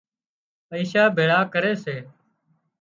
پئيشا ڀيۯا ڪري سي